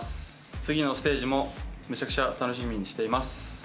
次のステージもめちゃくちゃ楽しみにしています。